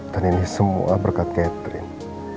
dan ini semua berkat catherine